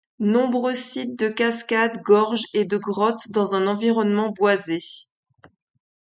Nombreux sites de cascade, gorges et de grottes dans un environnement boisé.